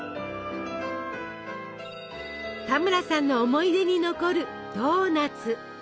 田村さんの思い出に残るドーナツ。